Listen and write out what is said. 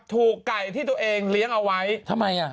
ถูกไก่ที่ตัวเองเลี้ยงเอาไว้ทำไมอ่ะ